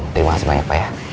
terima kasih banyak pak ya